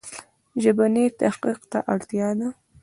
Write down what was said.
ژبني تحقیق ته اړتیا ده.